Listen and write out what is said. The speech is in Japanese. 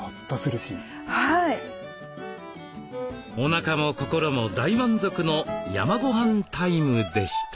おなかも心も大満足の山ごはんタイムでした。